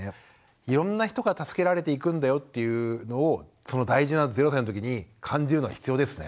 いろんな人から助けられていくんだよっていうのを大事な０歳のときに感じるのは必要ですね。